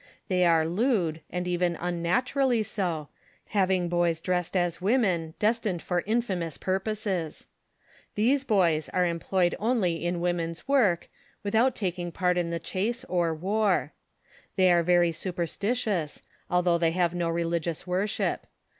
They are lewd, and even unnaturally so, having boys dressed as women, destined for infamous purposes. These boys are employed only in women's work, without taking part in the chase or war. They are very superetitious, although they have no religious worship.